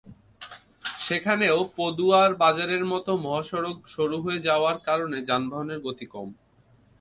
সেখানেও পদুয়ার বাজারের মতো মহাসড়ক সরু হয়ে যাওয়ার কারণে যানবাহনের গতি কম।